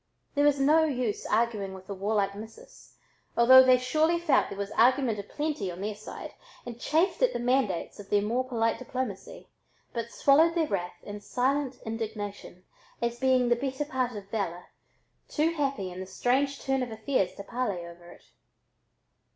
There was no use arguing with the warlike "missus," although they surely felt there was argument "a plenty" on their side and chafed at the mandates of their more polite diplomacy, but swallowed their wrath in silent indignation, as being the better part of valor, too happy in the strange turn of affairs to parley over it.